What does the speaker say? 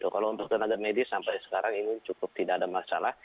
kalau untuk tenaga medis sampai sekarang ini cukup tidak ada masalah